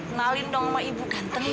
ngalin dong sama ibu ganteng gak